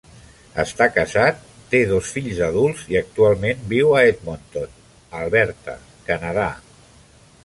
Està casat, té dos fills adults i actualment viu a Edmonton, Alberta (Canadà).